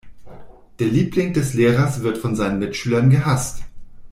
Der Liebling des Lehrers wird von seinen Mitschülern gehasst.